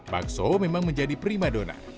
bakso memang menjadi prima dona